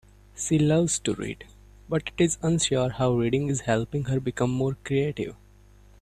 She loves to read, but is unsure how reading is helping her become more creative.